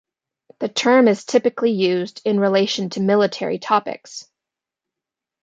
The term is typically used in relation to military topics.